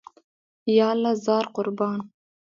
یاله زار، قربان.